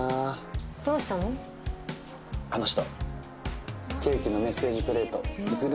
あの人。